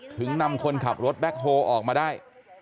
ถึงนำคนขับรถแบ็คโฮออกมาได้